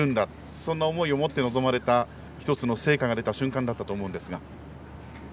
そんな思いを持って臨んだ１つの成果が出た瞬間だったと思うんですが。